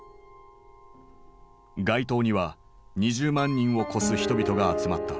街頭には２０万人を超す人々が集まった。